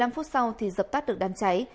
một mươi năm phút sau thì dập tắt được đám cháy